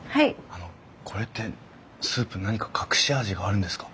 あのこれってスープ何か隠し味があるんですか？